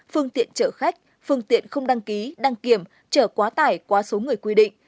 phương tiện chở khách phương tiện không đăng ký đăng kiểm chở quá tải quá số người quy định